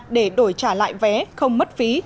để đổi trả lại vé không mất phí